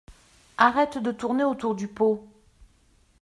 Arrête de tourner autour du pot!